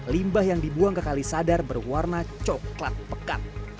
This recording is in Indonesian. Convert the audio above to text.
limbah yang dibuang ke kalisadar berwarna coklat pekat